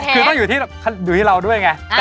คือต้องอยู่ที่เราด้วยไง